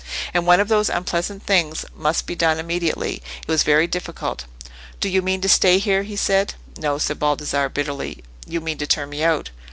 And one of those unpleasant things must be done immediately: it was very difficult. "Do you mean to stay here?" he said. "No," said Baldassarre, bitterly, "you mean to turn me out."